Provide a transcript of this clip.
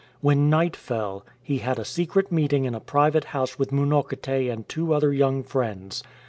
When night fell, he had a secret meeting in a private house with Munokite and two other young friends.